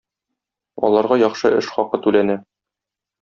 Аларга яхшы эш хакы түләнә.